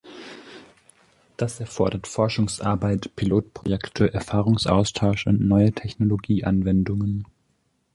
Das erfordert Forschungsarbeit, Pilotprojekte, Erfahrungsaustausch und neue Technologieanwendungen.